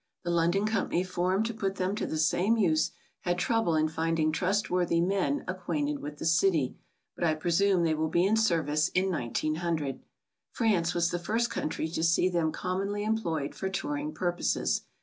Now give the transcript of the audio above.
The Londpn Company formed to put them to the same use had trouble in finding trustworthy men acquainted with the city, but I presume they will be in service in looo. France was the first country to see them commonly employed for touring purposes.